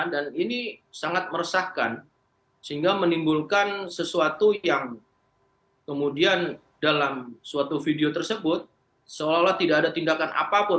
dan ini sangat meresahkan sehingga menimbulkan sesuatu yang kemudian dalam suatu video tersebut seolah olah tidak ada tindakan apapun